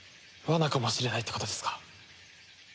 罠かもしれないってことですか？